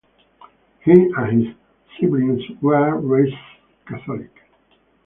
He and his siblings were raised Catholic.